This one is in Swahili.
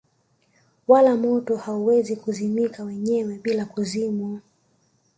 Wala moto hauwezi kuzimika wenyewe bila kuzimwa